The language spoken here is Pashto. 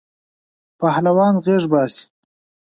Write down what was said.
پهلوان غیږ باسی.